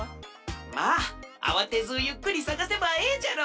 まああわてずゆっくりさがせばええじゃろ！